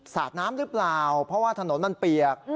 สาดน้ำหรือเปล่าเพราะว่าถนนมันเปียก